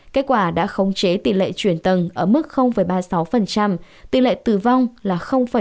kết quả đã khống chế tỷ lệ chuyển tầng ở mức ba mươi sáu tỷ lệ tử vong là ba mươi